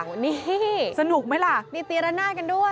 นี่มีตีรนาดกันด้วยสนุกไหมล่ะ